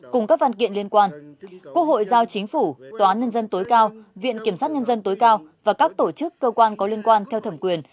cùng các văn kiện liên quan quốc hội giao chính phủ tòa án nhân dân tối cao viện kiểm sát nhân dân tối cao và các tổ chức cơ quan có liên quan theo thẩm quyền